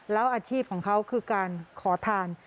แล้วอาชีพของเขาคือการขอทาน